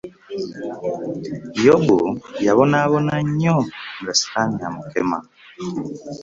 Yobu yabonaabona nnyo nga ssitaani amukema.